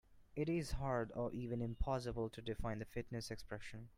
It is hard or even impossible to define the fitness expression.